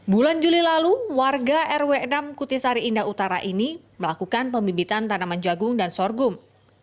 bulan juli lalu warga rw enam kutisari indah utara ini melakukan pembibitan tanaman jagung dan sorghum